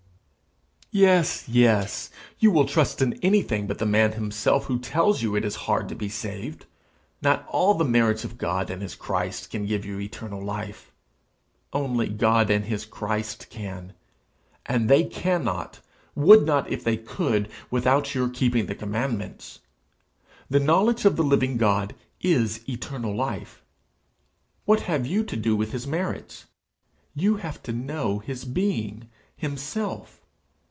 'Yes; yes! you will trust in anything but the Man himself who tells you it is hard to be saved! Not all the merits of God and his Christ can give you eternal life; only God and his Christ can; and they cannot, would not if they could, without your keeping the commandments. The knowledge of the living God is eternal life. What have you to do with his merits? You have to know his being, himself.